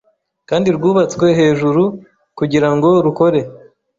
kandi rwubatswe hejuru kugirango rukore